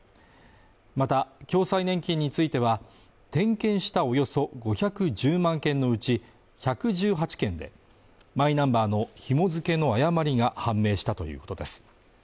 また共済年金については点検したおよそ５１０万件のうち１１８件でマイナンバーのひも付けの誤りが判明したということです